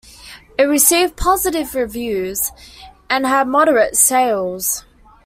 It received positive reviews and had moderate sales.